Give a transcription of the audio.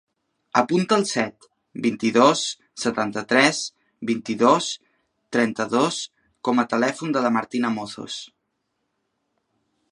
Apunta el set, vint-i-dos, setanta-tres, vint-i-dos, trenta-dos com a telèfon de la Martina Mozos.